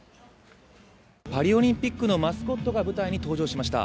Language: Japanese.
パリオリンピックのマスコットが舞台に登場しました。